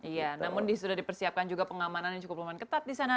iya namun sudah dipersiapkan juga pengamanan yang cukup lumayan ketat di sana